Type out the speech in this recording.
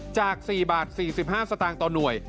จาก๔บาท๔๕สตางค์ต่อหน่วย